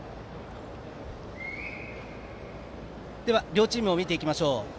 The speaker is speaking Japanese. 両チームを見ていきましょう。